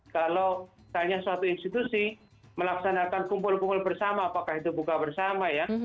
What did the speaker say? kalau tanya suatu institusi melaksanakan kumpul kumpul bersama apakah itu buka bersama ya